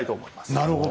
なるほど。